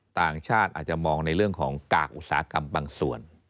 ต่างชาติอาจจะมองในเรื่องของกากอุตสาหกรรมบางส่วน